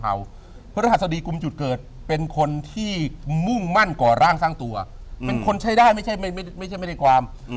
เพราะรหัสดีกุมจุดเกิดเป็นคนที่มุ่งมั่นก่อร่างสร้างตัวเป็นคนใช้ได้ไม่ใช่ไม่ได้ความ